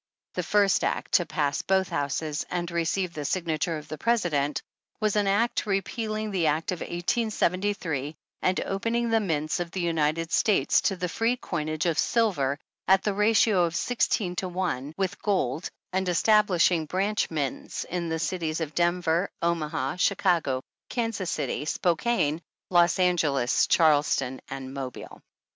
The first act to pass both houses and receive the signature of the President, was an Act repealing the Act of 1873, and opening the mints of the United States to the free coinage of silver at the ratio of six teen to one, with gold, and establishing branch mints in the cities of Denver, Omaha, Chicago, Kansas City, Spokane, Los Angeles, Charleston and Mobile.